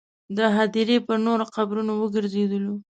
د هدیرې پر نورو قبرونو وګرځېدلو.